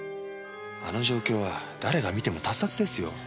あの状況は誰が見ても他殺ですよ。